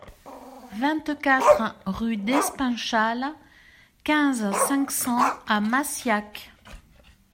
vingt-quatre rue d'Espinchal, quinze, cinq cents à Massiac